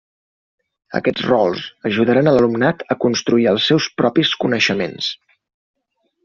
Aquests rols ajudaran a l'alumnat a construir els seus propis coneixements.